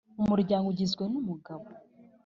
Umuryango ugizwe nu mugabo,